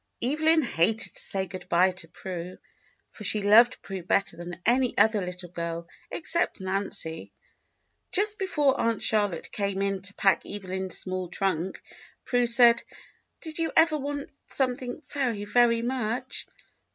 Evelyn hated to say good bye to Prue, for she loved Prue better than any other little girl except Nancy. Just before Aunt Charlotte came in to pack Evelyn's small trunk, Prue said, "Did you ever want something very, very much.